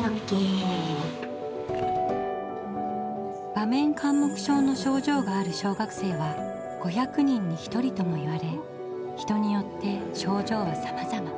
場面緘黙症の症状がある小学生は５００人に１人ともいわれ人によって症状はさまざま。